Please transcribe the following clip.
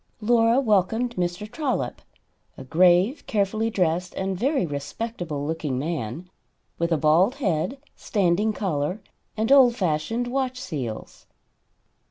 Laura welcomed Mr. Trollop, a grave, carefully dressed and very respectable looking man, with a bald head, standing collar and old fashioned watch seals.